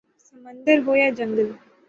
سمندر ہو یا جنگل